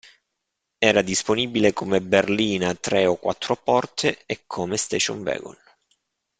Era disponibile come berlina tre o quattro porte e come station wagon.